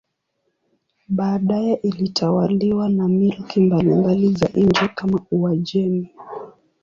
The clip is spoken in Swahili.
Baadaye ilitawaliwa na milki mbalimbali za nje kama Uajemi.